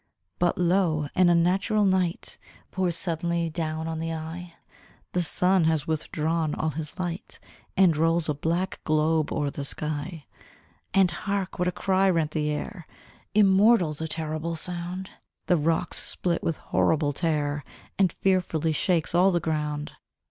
But lo! an unnatural night Pours suddenly down on the eye; The sun has withdrawn all his light, And rolls a black globe o'er the sky! And hark! what a cry rent the air! Immortal the terrible sound! The rocks split with honible tear, And fearfully shakes all the ground!